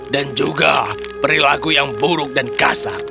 dan juga perilaku yang buruk dan kasar